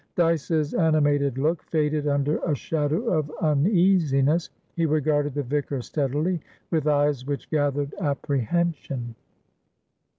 Dyce's animated look faded under a shadow of uneasiness. He regarded the vicar steadily, with eyes which gathered apprehension.